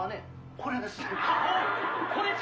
これです。